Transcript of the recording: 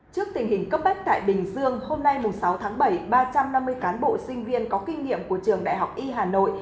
trước tình hình cấp bách tại bình dương hôm nay sáu tháng bảy ba trăm năm mươi cán bộ sinh viên có kinh nghiệm của trường đại học y hà nội